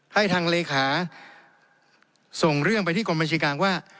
ให้ทางเลขาส่งเรื่องไปที่กรมบัญชีกลางว่า